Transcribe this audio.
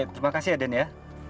terima kasih ya dan ya